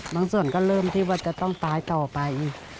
บางส่วนก็เริ่มที่ว่าจะต้องตายต่อไป